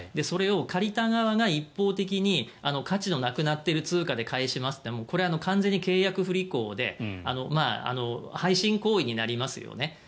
それを借りた側が一方的に価値のなくなってる通貨で返しますというのはこれは完全に契約不履行で背信行為になりますよね。